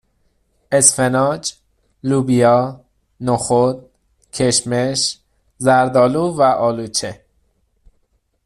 اسفناج لوبیا نخود کشمش زردآلو و آلوچه